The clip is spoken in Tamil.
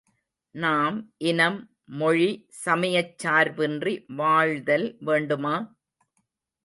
நாம் இனம், மொழி, சமயச் சார்பின்றி வாழ்தல் வேண்டுமா?